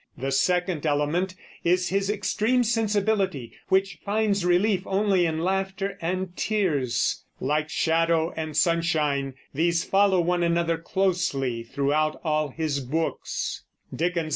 The second element is his extreme sensibility, which finds relief only in laughter and tears. Like shadow and sunshine these follow one another closely throughout all his books.